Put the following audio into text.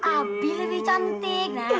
abi lebih cantik